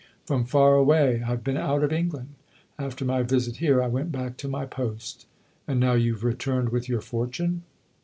"" From far away I've been out of England. After my visit here I went back to my post." "And now you've returned with your fortune